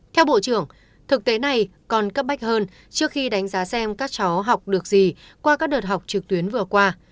theo bộ trưởng thực tế này còn cấp bách hơn trước khi đánh giá xem các cháu học được gì qua các đợt học trực tuyến vừa qua